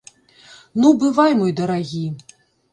Ну, бывай мой дарагі!